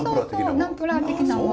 ナンプラー的なもの。